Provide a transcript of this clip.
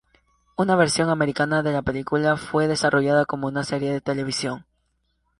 Una versión americana de la película fue desarrollada como una serie de televisión.